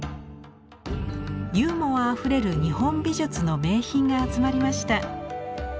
ユーモアあふれる日本美術の名品が集まりました。